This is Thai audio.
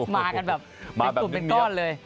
มากันแบบเป็นตุ่มเป็นก้อนเลย